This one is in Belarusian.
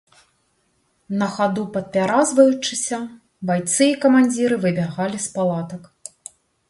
На хаду падпяразваючыся, байцы і камандзіры выбягалі з палатак.